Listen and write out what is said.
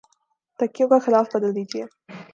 تکیوں کا غلاف بدل دیجئے